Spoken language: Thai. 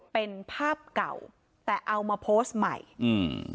เป็นภาพเก่าแต่เอามาโพสต์ใหม่อืม